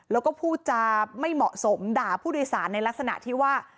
แล้วก็พูดจาไม่เหมาะสมด่าผู้โดยสารในลักษณะที่ว่า